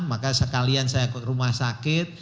maka sekalian saya ke rumah sakit